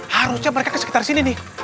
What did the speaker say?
harusnya mereka kesekitar sini nih